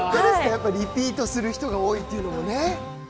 やっぱリピートする人が多いっていうのもね。